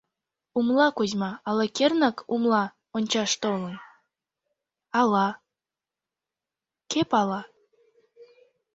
Умла Кузьма ала кернак умла ончаш толын... ала... кӧ пала?..